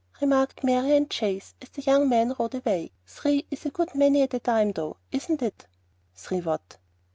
remarked Marian Chase, as the young men rode away. "Three is a good many at a time, though, isn't it?" "Three what?"